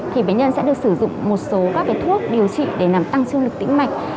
thì bệnh nhân sẽ được sử dụng một số các thuốc điều trị để làm tăng trương lực tĩnh mạch